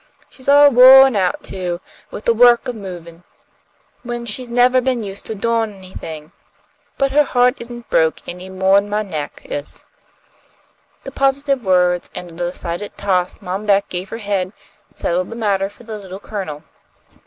She's all wo'n out, too, with the work of movin', when she's nevah been used to doin' anything. But her heart isn't broke any moah'n my neck is." The positive words and the decided toss Mom Beck gave her head settled the matter for the Little Colonel.